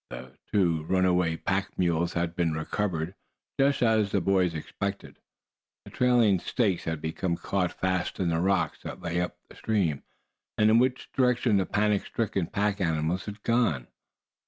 The two runaway pack mules had been recovered. Just as the boys expected, the trailing stakes had become caught fast in the rocks that lay up the stream, and in which direction the panic stricken pack animals had gone.